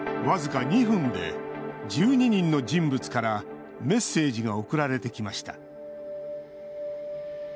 僅か２分で１２人の人物からメッセージが送られてきました。